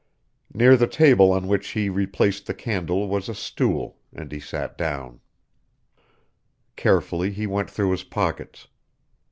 Near the table on which he replaced the candle was a stool, and he sat down. Carefully he went through his pockets.